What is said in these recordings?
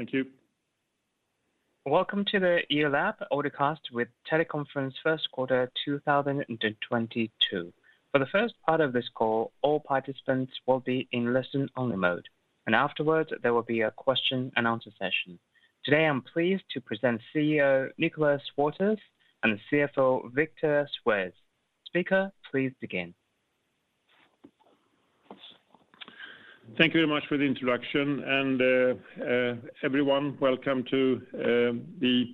Thank you. Welcome to the IRLAB Audiocast with teleconference Q1 2022. For the first part of this call, all participants will be in listen only mode, and afterwards, there will be a question and answer session. Today, I'm pleased to present CEO Nicholas Waters and CFO Viktor Siewertz. Speaker, please begin. Thank you very much for the introduction. Everyone, welcome to the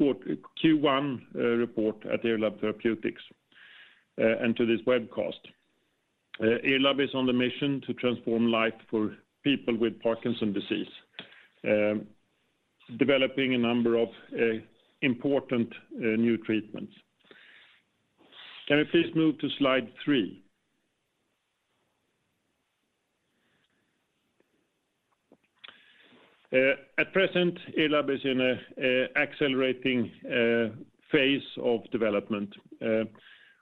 Q1 report at IRLAB Therapeutics and to this webcast. IRLAB is on the mission to transform life for people with Parkinson's disease, developing a number of important new treatments. Can we please move to slide three? At present, IRLAB is in an accelerating phase of development.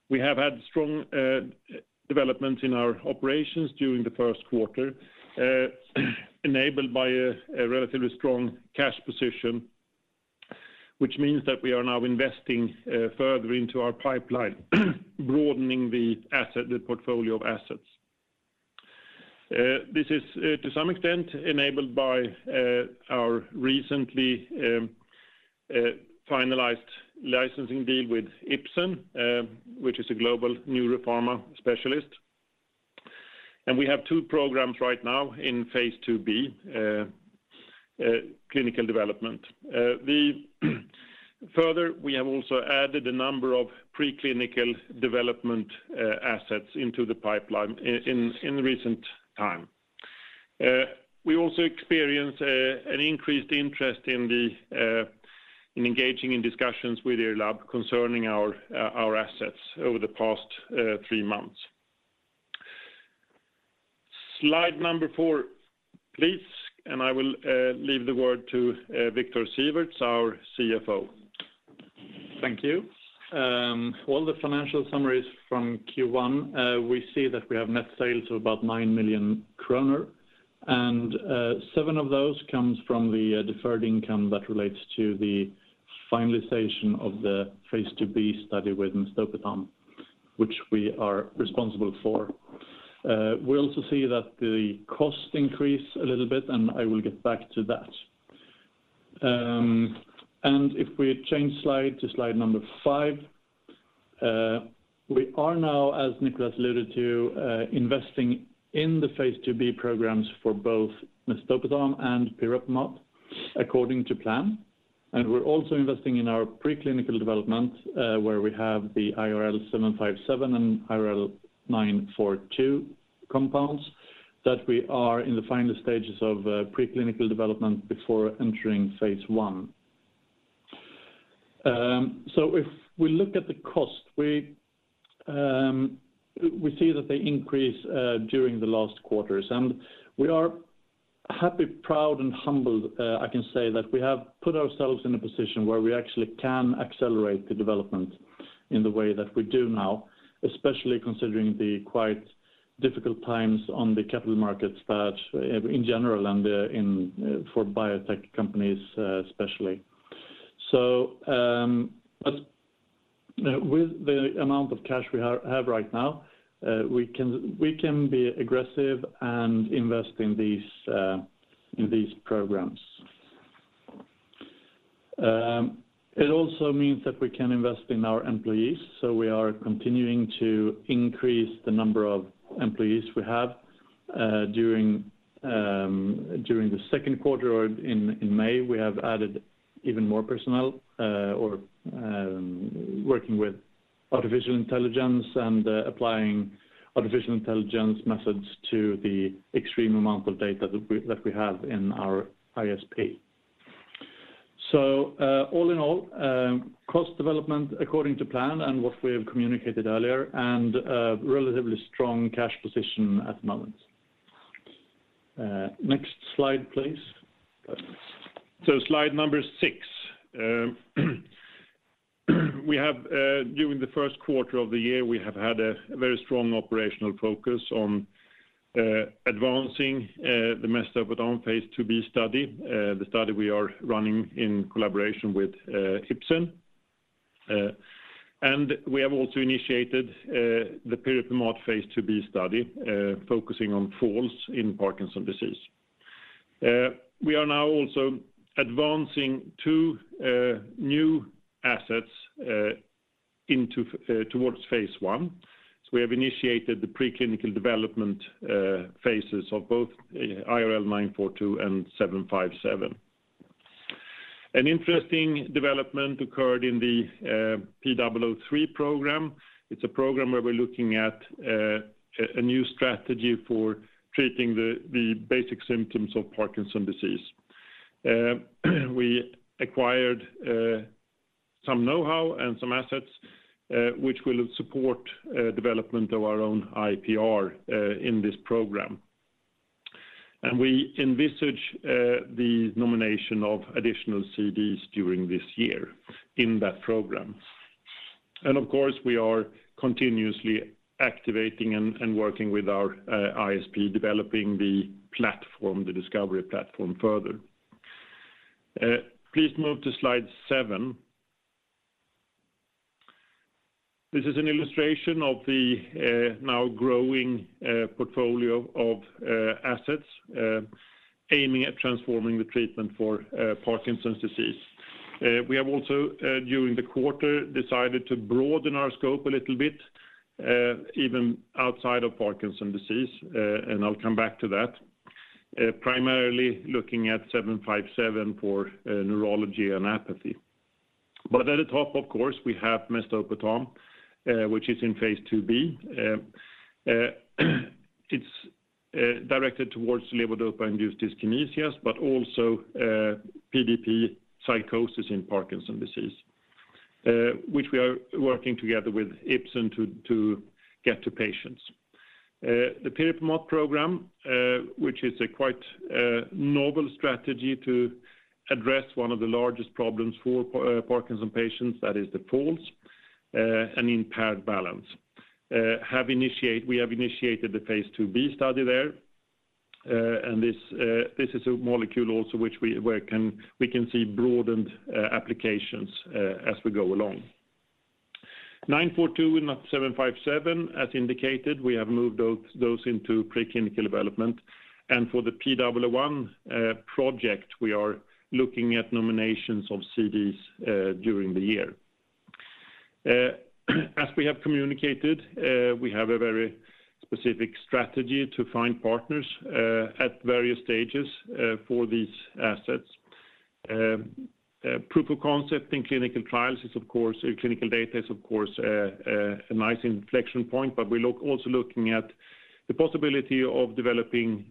We have had strong development in our operations during the Q1, enabled by a relatively strong cash position, which means that we are now investing further into our pipeline, broadening the asset, the portfolio of assets. This is to some extent enabled by our recently finalized licensing deal with Ipsen, which is a global neuro pharma specialist. We have two programs right now in phase IIb clinical development. Further, we have also added a number of preclinical development assets into the pipeline in recent time. We also experience an increased interest in engaging in discussions with IRLAB concerning our assets over the past three months. Slide number four, please. I will leave the word to Viktor Siewertz, our CFO. Thank you. All the financial summaries from Q1, we see that we have net sales of about 9 million kronor, and 7 million of those comes from the deferred income that relates to the finalization of the phase IIb study with mesdopetam, which we are responsible for. We also see that the cost increase a little bit, and I will get back to that. If we change slide to slide number five. We are now, as Nicholas alluded to, investing in the phase IIb programs for both mesdopetam and pirepemat according to plan. We're also investing in our preclinical development, where we have the IRL757 and IRL942 compounds that we are in the final stages of preclinical development before entering phase I. If we look at the cost, we see that they increase during the last quarters. We are happy, proud, and humbled. I can say that we have put ourselves in a position where we actually can accelerate the development in the way that we do now, especially considering the quite difficult times on the capital markets that in general and for biotech companies, especially. But with the amount of cash we have right now, we can be aggressive and invest in these programs. It also means that we can invest in our employees, so we are continuing to increase the number of employees we have during the Q2 or in May. We have added even more personnel working with artificial intelligence and applying artificial intelligence methods to the extreme amount of data that we have in our ISP. All in all, cost development according to plan and what we have communicated earlier, and a relatively strong cash position at the moment. Next slide, please. Slide number six. During the Q1 of the year, we have had a very strong operational focus on advancing the mesdopetam phase IIb study, the study we are running in collaboration with Ipsen. We are now also advancing two new assets towards phase I. We have initiated the preclinical development phases of both IRL942 and IRL757. An interesting development occurred in the P003 program. It's a program where we're looking at a new strategy for treating the basic symptoms of Parkinson's disease. We acquired some know-how and some assets, which will support development of our own IPR in this program. We envisage the nomination of additional CDs during this year in that program. Of course, we are continuously activating and working with our ISP, developing the platform, the discovery platform further. Please move to slide seven. This is an illustration of the now growing portfolio of assets aiming at transforming the treatment for Parkinson's disease. We have also during the quarter decided to broaden our scope a little bit even outside of Parkinson's disease, and I'll come back to that. Primarily looking at IRL757 for neurology and apathy. At the top, of course, we have mesdopetam, which is in phase IIb. It's directed towards levodopa-induced dyskinesias, but also PDP psychosis in Parkinson's disease, which we are working together with Ipsen to get to patients. The pirepemat program, which is a quite novel strategy to address one of the largest problems for Parkinson's patients, that is the falls and impaired balance. We have initiated the phase IIb study there. This is a molecule also which we can see broadened applications as we go along. IRL942 and IRL757, as indicated, we have moved those into preclinical development. For the P001 project, we are looking at nominations of CDs during the year. As we have communicated, we have a very specific strategy to find partners at various stages for these assets. Clinical data is of course a nice inflection point, but also looking at the possibility of developing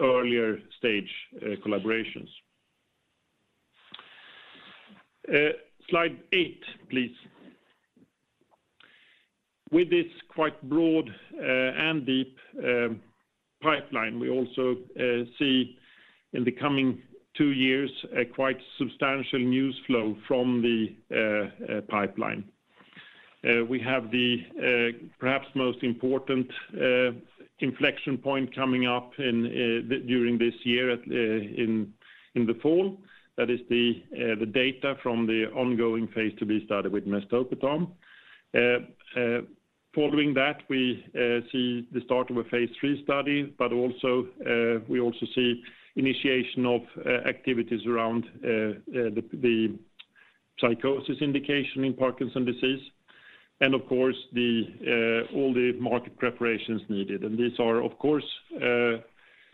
earlier stage collaborations. Slide eight, please. With this quite broad and deep pipeline, we also see in the coming two years a quite substantial news flow from the pipeline. We have the perhaps most important inflection point coming up during this year in the fall. That is the data from the ongoing phase IIb study with mesdopetam. Following that, we see the start of a phase III study, but also we also see initiation of activities around the psychosis indication in Parkinson's disease. Of course, all the market preparations needed. These are of course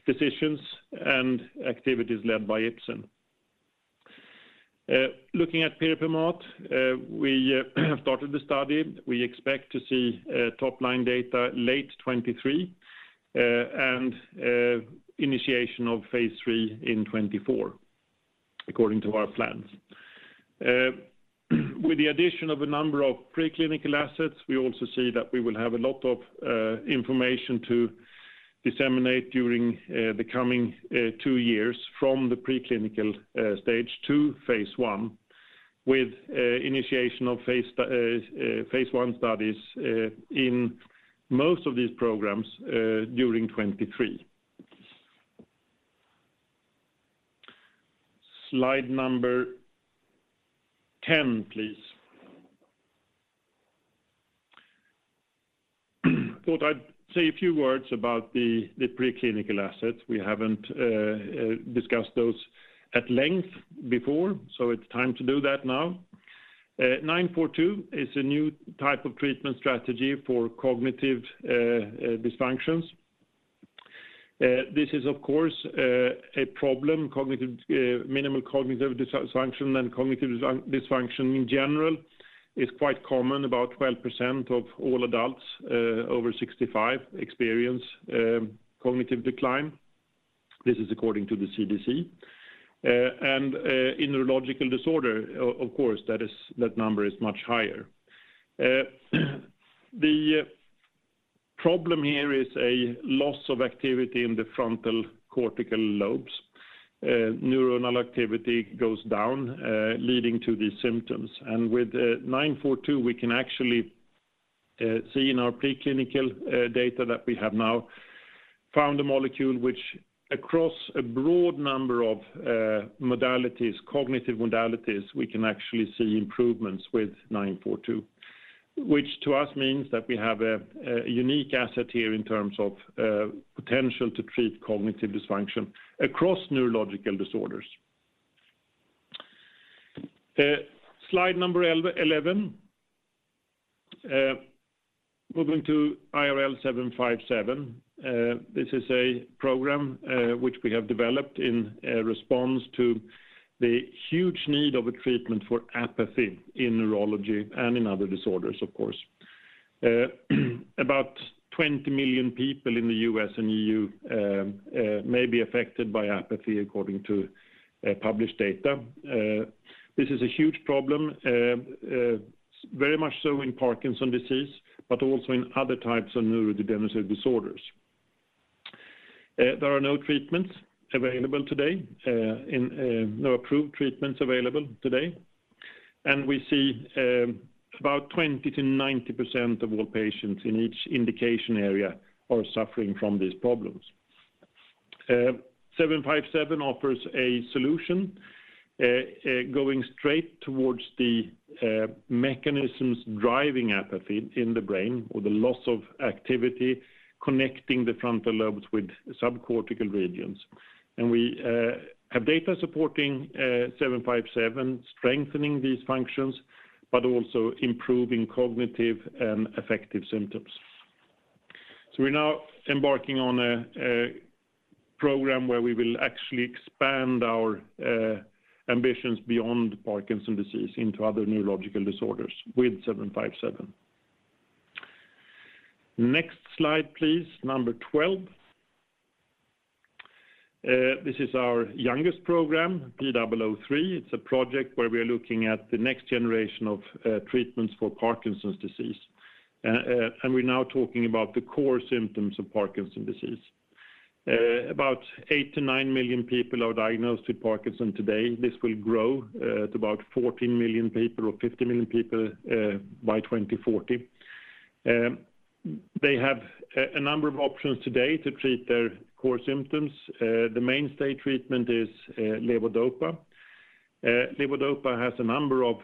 decisions and activities led by Ipsen. Looking at pirepemat, we have started the study. We expect to see top-line data late 2023 and initiation of phase III in 2024, according to our plans. With the addition of a number of preclinical assets, we also see that we will have a lot of information to disseminate during the coming two years from the preclinical stage to phase I with initiation of phase I studies in most of these programs during 2023. Slide number 10, please. Thought I'd say a few words about the preclinical assets. We haven't discussed those at length before, so it's time to do that now. IRL942 is a new type of treatment strategy for cognitive dysfunctions. This is of course a problem, cognitive minimal cognitive dysfunction and cognitive dysfunction in general is quite common. About 12% of all adults over 65 experience cognitive decline. This is according to the CDC. In neurological disorder, of course, that number is much higher. The problem here is a loss of activity in the frontal cortical lobes. Neuronal activity goes down, leading to these symptoms. With IRL942, we can actually see in our preclinical data that we have now found a molecule which across a broad number of modalities, cognitive modalities, we can actually see improvements with IRL942. Which to us means that we have a unique asset here in terms of potential to treat cognitive dysfunction across neurological disorders. Slide number 11. Moving to IRL757. This is a program which we have developed in response to the huge need of a treatment for apathy in neurology and in other disorders, of course. About 20 million people in the U.S. and EU may be affected by apathy according to published data. This is a huge problem, very much so in Parkinson's disease, but also in other types of neurodegenerative disorders. There are no treatments available today, no approved treatments available today. We see about 20%-90% of all patients in each indication area are suffering from these problems. IRL757 offers a solution, going straight towards the mechanisms driving apathy in the brain or the loss of activity connecting the frontal lobes with subcortical regions. We have data supporting IRL757 strengthening these functions, but also improving cognitive and affective symptoms. We're now embarking on a program where we will actually expand our ambitions beyond Parkinson's disease into other neurological disorders with IRL757. Next slide, please. Number 12. This is our youngest program, P003. It's a project where we are looking at the next generation of treatments for Parkinson's disease. We're now talking about the core symptoms of Parkinson's disease. About eight to nine million people are diagnosed with Parkinson's today. This will grow to about 14 million people or 50 million people by 2040. They have a number of options today to treat their core symptoms. The mainstay treatment is levodopa. Levodopa has a number of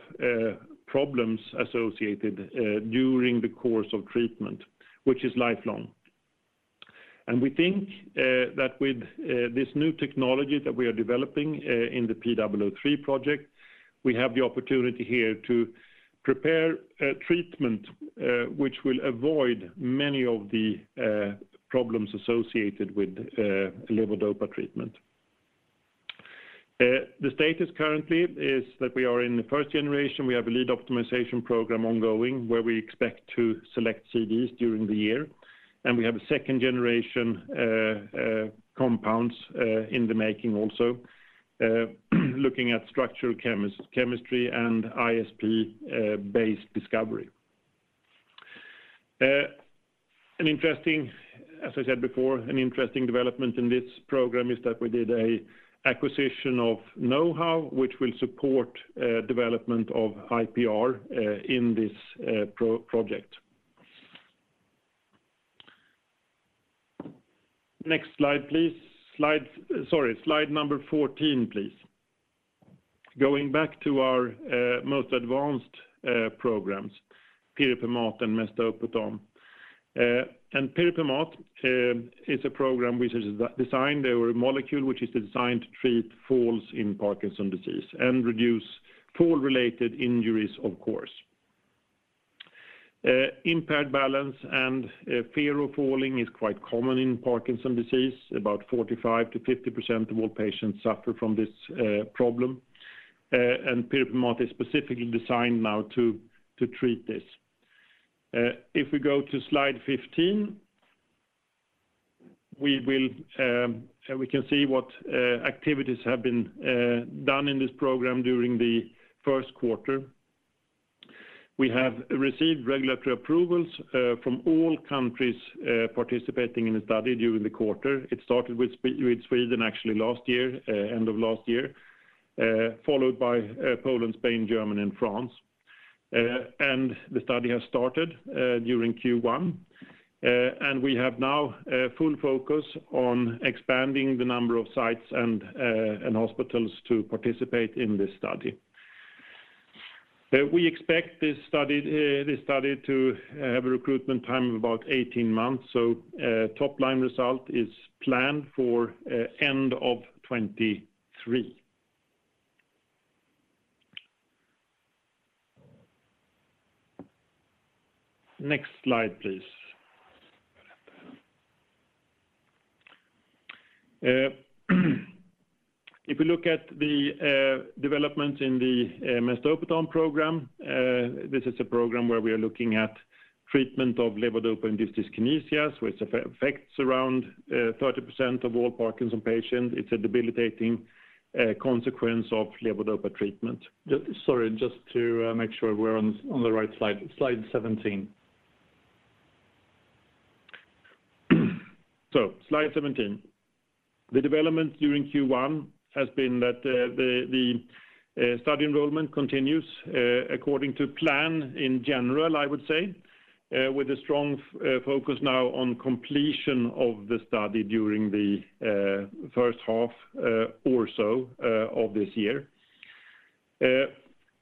problems associated during the course of treatment, which is lifelong. We think that with this new technology that we are developing in the P003 project, we have the opportunity here to prepare a treatment which will avoid many of the problems associated with levodopa treatment. The status currently is that we are in the first generation. We have a lead optimization program ongoing where we expect to select CDs during the year. We have a second generation compounds in the making also looking at structural chemistry and ISP-based discovery. An interesting development in this program is that we did an acquisition of know-how which will support development of IPR in this program. Next slide, please. Sorry, slide number 14, please. Going back to our most advanced programs, pirepemat and mesdopetam. Pirepemat is a program which is designed, or a molecule which is designed to treat falls in Parkinson's disease and reduce fall-related injuries, of course. Impaired balance and fear of falling is quite common in Parkinson's disease. About 45%-50% of all patients suffer from this problem. Pirepemat is specifically designed now to treat this. If we go to slide 15, we can see what activities have been done in this program during the Q1. We have received regulatory approvals from all countries participating in the study during the quarter. It started with Sweden actually end of last year, followed by Poland, Spain, Germany, and France. The study has started during Q1. We have now full focus on expanding the number of sites and hospitals to participate in this study. We expect this study to have a recruitment time of about 18 months. Top-line result is planned for end of 2023. Next slide, please. If you look at the developments in the mesdopetam program, this is a program where we are looking at treatment of levodopa-induced dyskinesias, which affects around 30% of all Parkinson's patients. It's a debilitating consequence of levodopa treatment. Sorry, just to make sure we're on the right slide. Slide 17. Slide seventeen. The development during Q1 has been that the study enrollment continues according to plan in general, I would say, with a strong focus now on completion of the study during the first half or so of this year.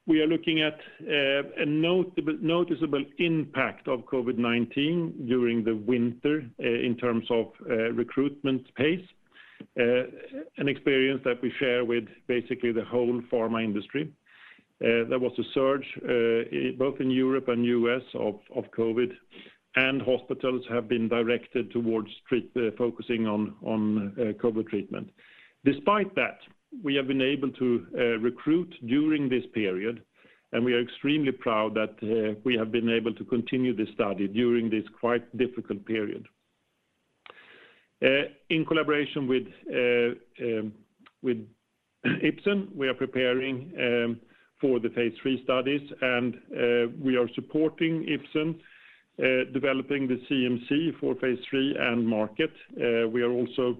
We are looking at a noticeable impact of COVID-19 during the winter, in terms of recruitment pace, an experience that we share with basically the whole pharma industry. There was a surge both in Europe and U.S. of COVID, and hospitals have been directed towards focusing on COVID treatment. Despite that, we have been able to recruit during this period, and we are extremely proud that we have been able to continue this study during this quite difficult period. In collaboration with Ipsen. We are preparing for the phase III studies, and we are supporting Ipsen developing the CMC for phase III and market. We are also,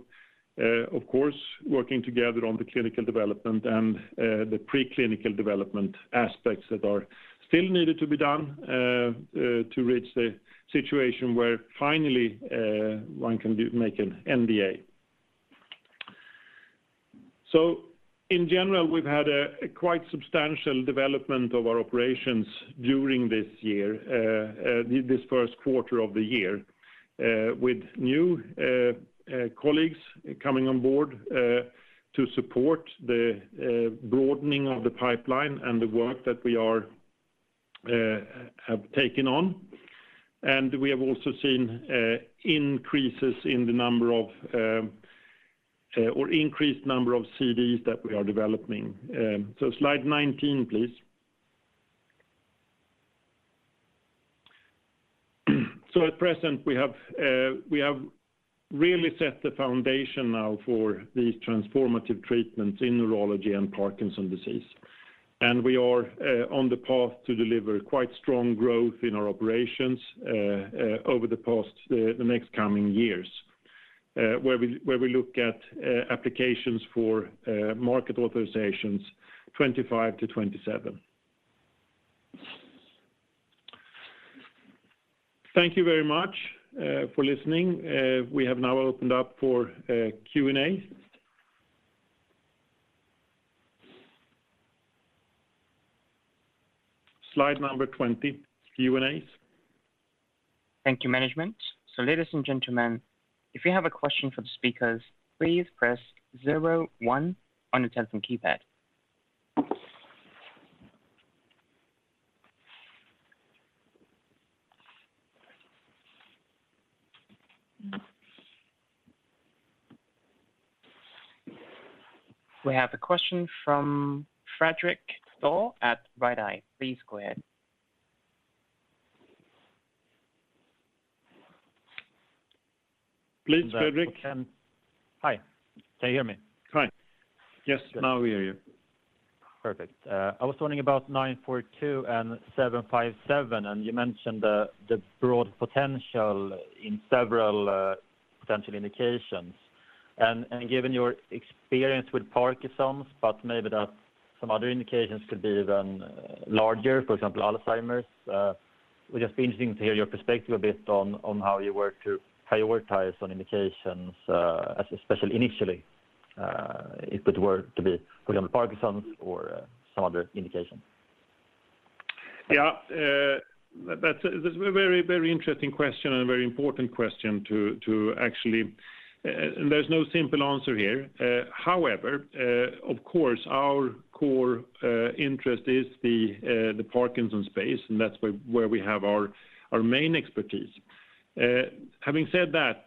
of course, working together on the clinical development and the preclinical development aspects that are still needed to be done to reach the situation where finally one can make an NDA. In general, we've had a quite substantial development of our operations during this year this Q1 of the year with new colleagues coming on board to support the broadening of the pipeline and the work that we have taken on. We have also seen increases in the number of or increased number of CDs that we are developing. Slide 19, please. At present we have really set the foundation now for these transformative treatments in neurology and Parkinson's disease. We are on the path to deliver quite strong growth in our operations over the next coming years, where we look at applications for market authorizations 25-27. Thank you very much for listening. We have now opened up for Q&A. Slide number 20. Q&A. Thank you, management. Ladies and gentlemen, if you have a question for the speakers, please press zero one on your telephone keypad. We have a question from Fredrik Thor at Redeye. Please go ahead. Please, Fredrik. Hi. Can you hear me? Fine. Yes. Now we hear you. Perfect. I was wondering about 942 and 757, and you mentioned the broad potential in several potential indications. Given your experience with Parkinson's, but maybe some other indications could be even larger, for example, Alzheimer's. It would just be interesting to hear your perspective a bit on how you work to prioritize on indications, especially initially, if it were to be, for example, Parkinson's or some other indication. Yeah. That's a very interesting question and a very important question to actually. There's no simple answer here. However, of course, our core interest is the Parkinson's space, and that's where we have our main expertise. Having said that,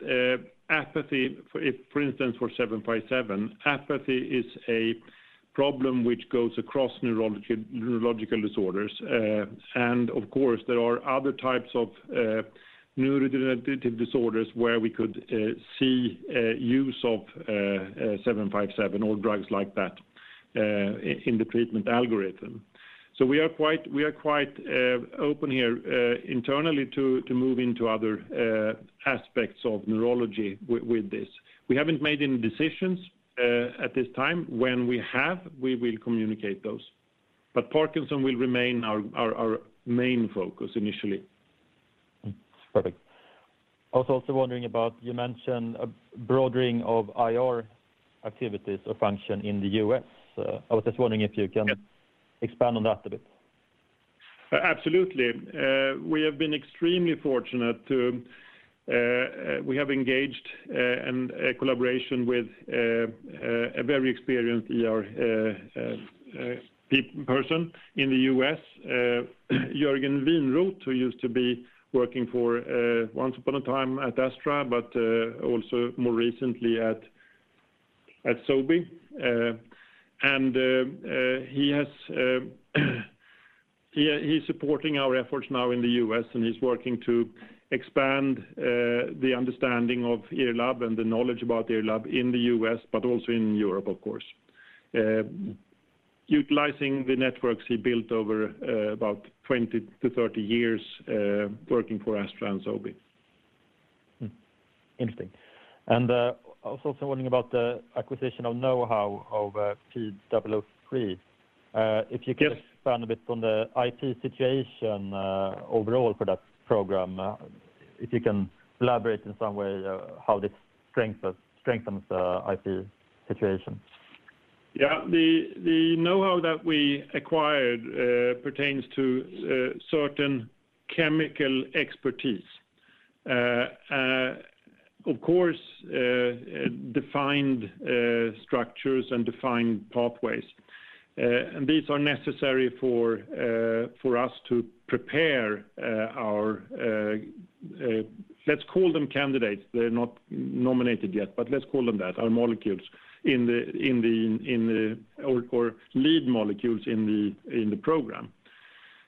apathy, for instance, for 757, apathy is a problem which goes across neurological disorders. Of course, there are other types of neurodegenerative disorders where we could see use of 757 or drugs like that in the treatment algorithm. We are quite open here internally to move into other aspects of neurology with this. We haven't made any decisions at this time. When we have, we will communicate those. Parkinson will remain our main focus initially. Perfect. I was also wondering about, you mentioned a broadening of IR activities or function in the U.S. I was just wondering if you can expand on that a bit. Absolutely. We have been extremely fortunate to engage in a collaboration with a very experienced IR person in the U.S, Jörgen Winroth, who used to be working for, once upon a time at Astra, but also more recently at Sobi. He's supporting our efforts now in the U.S., and he's working to expand the understanding of IRLAB and the knowledge about IRLAB in the U.S., but also in Europe, of course. Utilizing the networks he built over about 20-30 years working for Astra and Sobi. Interesting. I was also wondering about the acquisition of know-how of P003. If you could- Yes. Expand a bit on the IP situation overall for that program, if you can elaborate in some way, how this strengthens the IP situation. Yeah. The know-how that we acquired pertains to certain chemical expertise, of course, defined structures and defined pathways. These are necessary for us to prepare our, let's call them, candidates. They're not nominated yet, but let's call them that, our molecules or lead molecules in the program.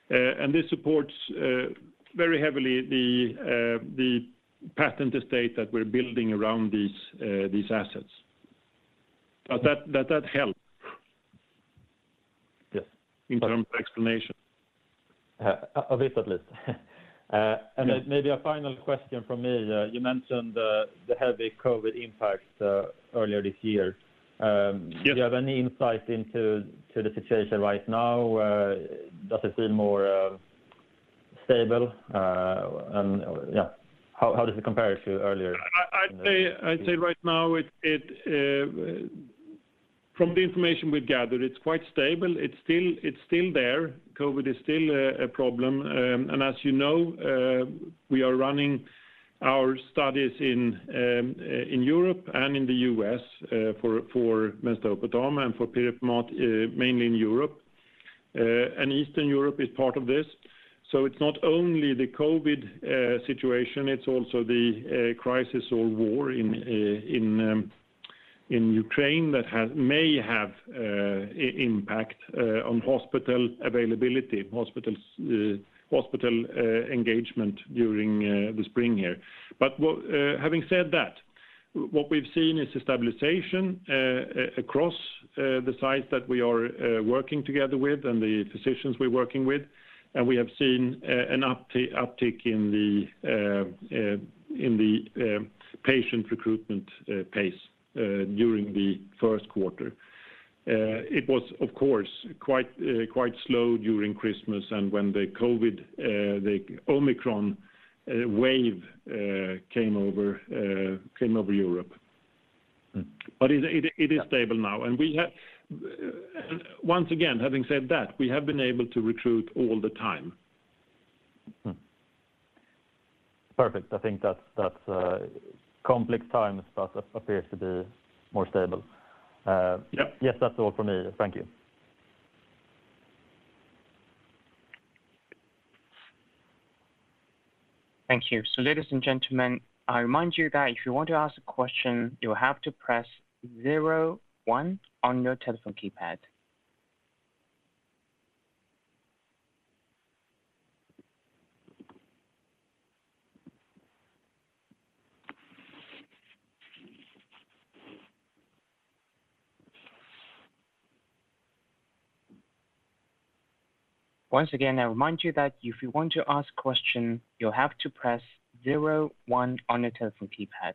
This supports very heavily the patent estate that we're building around these assets. Does that help? Yes. In terms of explanation. Obviously. Maybe a final question from me. You mentioned the heavy COVID impact earlier this year. Yes. Do you have any insight into the situation right now? Does it seem more stable? Yeah, how does it compare to earlier in the- I'd say right now it from the information we've gathered, it's quite stable. It's still there. COVID is still a problem. And as you know, we are running our studies in Europe and in the U.S., for mesdopetam and for pirepemat, mainly in Europe. And Eastern Europe is part of this. It's not only the COVID situation, it's also the crisis or war in Ukraine that may have impact on hospital availability, engagement during the spring here. But having said that, what we've seen is a stabilization across the sites that we are working together with and the physicians we're working with. We have seen an uptick in the patient recruitment pace during the Q1. It was, of course, quite slow during Christmas and when the COVID-19 Omicron wave came over Europe. Mm. It is stable now. We have, and once again, having said that, we have been able to recruit all the time. Perfect. I think that's complex times but appears to be more stable. Yeah. Yes, that's all for me. Thank you. Thank you. Ladies and gentlemen, I remind you that if you want to ask a question, you have to press zero one on your telephone keypad. Once again, I remind you that if you want to ask a question, you'll have to press zero one on your telephone keypad.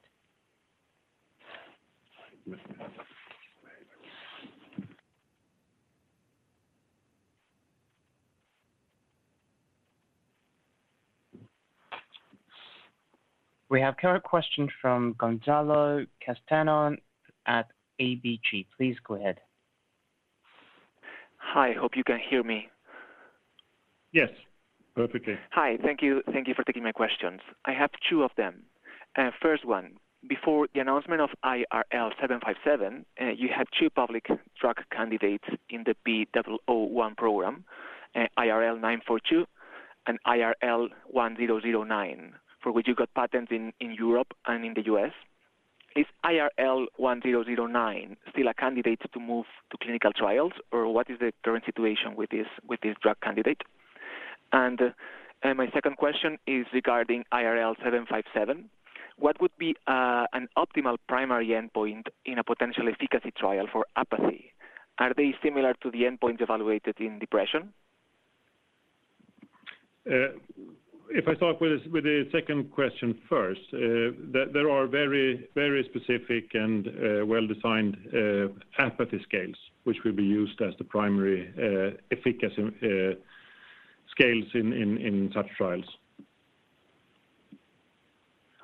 We have a current question from Gonzalo Artiach Castañón at ABG. Please go ahead. Hi. Hope you can hear me. Yes, perfectly. Hi. Thank you for taking my questions. I have two of them. First, before the announcement of IRL757, you had two public drug candidates in the P001 program, IRL942 and IRL1009, for which you got patents in Europe and in the U.S.. Is IRL1009 still a candidate to move to clinical trials, or what is the current situation with this drug candidate? My second question is regarding IRL757. What would be an optimal primary endpoint in a potential efficacy trial for apathy? Are they similar to the endpoint evaluated in depression? If I start with the second question first. There are very specific and well-defined apathy scales which will be used as the primary efficacy scales in such trials.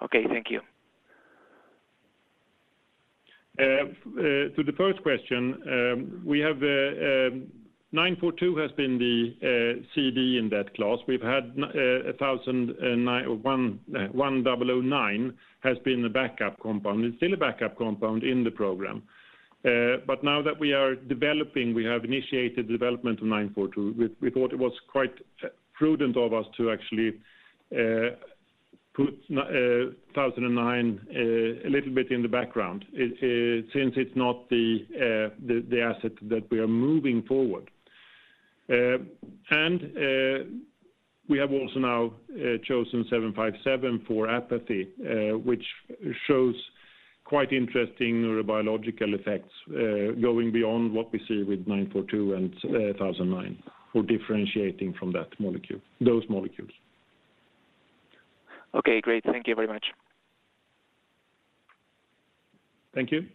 Okay, thank you. To the first question, we have 942 has been the CD in that class. We've had 1009 has been the backup compound. It's still a backup compound in the program. Now that we are developing, we have initiated the development of 942. We thought it was quite prudent of us to actually put 1009 a little bit in the background. It since it's not the asset that we are moving forward. We have also now chosen 757 for apathy, which shows quite interesting neurobiological effects, going beyond what we see with 942 and 1009. We're differentiating from that molecule, those molecules. Okay, great. Thank you very much. Thank you.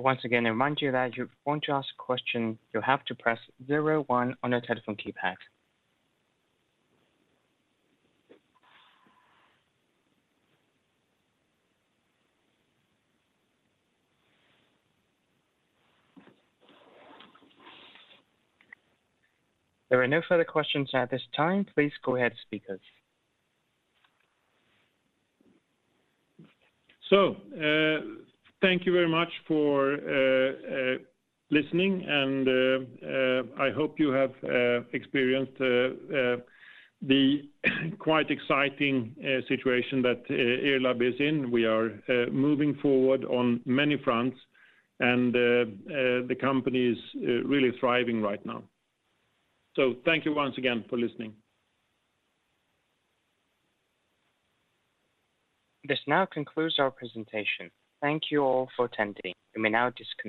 Once again, I remind you that if you want to ask a question, you have to press zero one on your telephone keypad. There are no further questions at this time. Please go ahead, speakers. Thank you very much for listening. I hope you have experienced the quite exciting situation that IRLAB is in. We are moving forward on many fronts and the company is really thriving right now. Thank you once again for listening. This now concludes our presentation. Thank you all for attending. You may now disconnect.